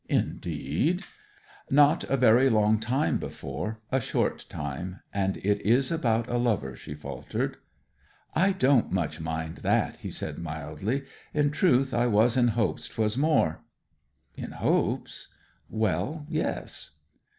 'Indeed!' 'Not a very long time before a short time. And it is about a lover,' she faltered. 'I don't much mind that,' he said mildly. 'In truth, I was in hopes 'twas more.' 'In hopes!' 'Well, yes.'